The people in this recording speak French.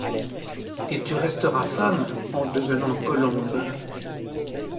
Et tu resteras femme en devenant colombe.